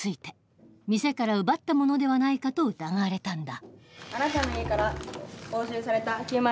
店から奪ったものではないかと疑われたんだ。